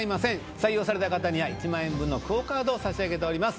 採用された方には１万円分のＱＵＯカードを差し上げております